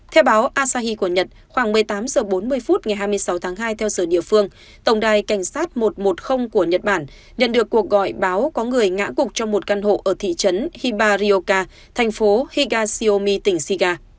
theo báo asahi của nhật khoảng một mươi tám h bốn mươi phút ngày hai mươi sáu tháng hai theo giờ địa phương tổng đài cảnh sát một trăm một mươi của nhật bản nhận được cuộc gọi báo có người ngã gục trong một căn hộ ở thị trấn hibarioka thành phố higashiomi tỉnh shiga